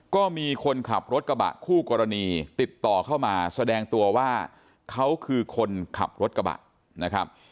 ก็มีคนขับรถกระบะคู่กรณีติดต่อเข้ามาแสดงตัวว่าเขาคือคนขับรถกระบะนะครับ